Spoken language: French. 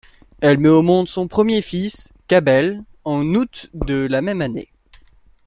Elle met au monde son premier fils, Cabel, en août de la même année.